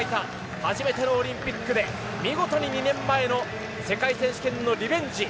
初めてのオリンピックで見事に２年前の世界選手権のリベンジ